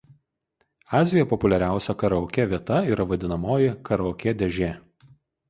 Azijoje populiariausia karaokė vieta yra vadinamoji „karaokė dėžė“.